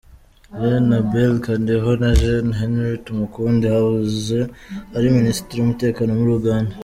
Gen. Abel Kandiho na Gen. Henry Tumukunde, wahoze ari Minisitiri w’Umutekano muri Uganda.